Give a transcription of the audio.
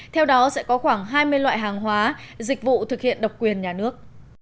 theo đó sẽ có khoảng hai mươi loại hàng hóa dịch vụ thực hiện độc quyền nhà nước